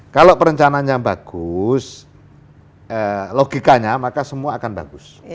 kalau perencanaannya bagus logikanya maka semua akan bagus